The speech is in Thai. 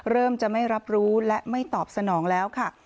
เริ่มจะไม่รับรู้และไม่ตอบสนองแล้วค่ะ